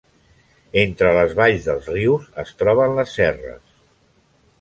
Entre les valls dels rius, es troben les serres.